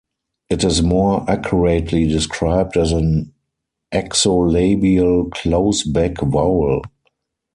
It is more accurately described as an exolabial close back vowel.